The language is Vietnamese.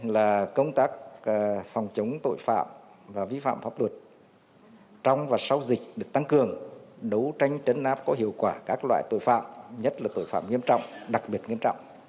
là công tác phòng chống tội phạm và vi phạm pháp luật trong và sau dịch được tăng cường đấu tranh chấn áp có hiệu quả các loại tội phạm nhất là tội phạm nghiêm trọng đặc biệt nghiêm trọng